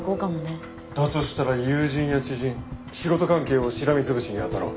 だとしたら友人や知人仕事関係をしらみ潰しに当たろう。